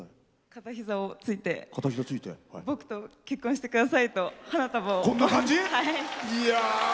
片膝をついて「僕と結婚してください」と花束を。